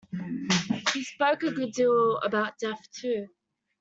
He spoke a good deal about death, too.